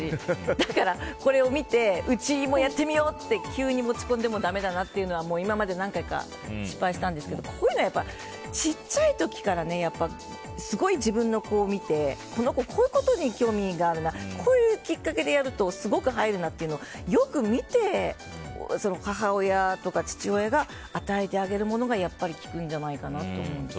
だから、これを見てうちもやってみようって急に持ち込んでもだめだなっていうのは今まで何回か失敗したんですけどこういうの、小さい時からすごい自分の子を見てこの子こういうことに興味があるなこういうきっかけでやるとすごく入るなっていうのをよく見て母親とか父親が与えてあげるものがやっぱり効くんじゃないかなと思います。